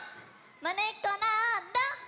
まねっこなんだ？